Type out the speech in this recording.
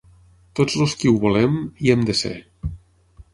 Tots els qui ho volem, hi hem de ser.